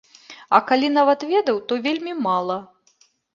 А калі нават ведаў, то вельмі мала.